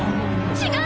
違う！